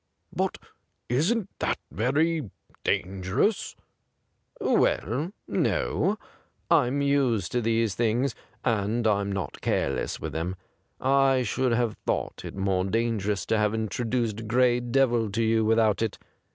' But isn't that very dangerous ?'' Well, no ; I'm used to these things, and I'm not careless with them. I should have thought it more dangerous to have introduced Gray Devil to you without it.